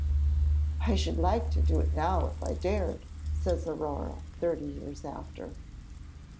'I should like to do it now, if I dared,' says Aurore thirty years after.